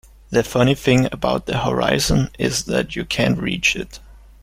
The funny thing about the horizon is that you can't reach it.